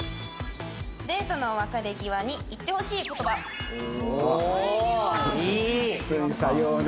「デートの別れ際に言って欲しい言葉」おおいい！